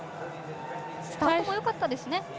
スタートもよかったですね。